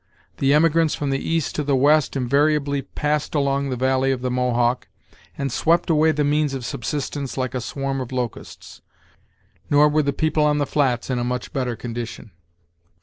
The emigrants from the East to the West invariably passed along the valley of the Mohawk, and swept away the means of subsistence like a swarm of locusts, Nor were the people on the Flats in a much better condition.